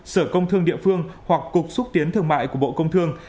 sở công thương địa phương hoặc cục xúc tiến thương mại của bộ công thương